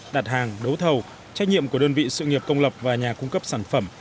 đặt hàng đấu thầu trách nhiệm của đơn vị sự nghiệp công lập và nhà cung cấp sản phẩm